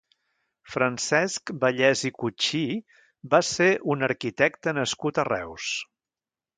Francesc Vallès i Cuchí va ser un arquitecte nascut a Reus.